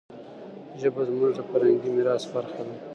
ژبه زموږ د فرهنګي میراث برخه ده.